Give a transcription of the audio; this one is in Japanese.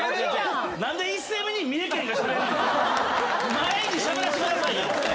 前にしゃべらせてくださいよ。